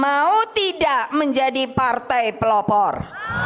mau tidak menjadi partai pelopor